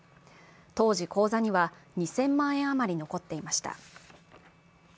当時口座には２０００万円あまり残っていました。